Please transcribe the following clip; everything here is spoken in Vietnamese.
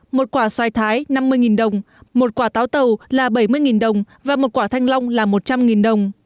một quả xoài thái năm mươi đồng một quả táo tàu là bảy mươi đồng và một quả thanh long là một trăm linh đồng